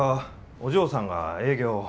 お嬢さんが営業を。